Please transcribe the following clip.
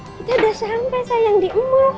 kita udah sampai sayang di emak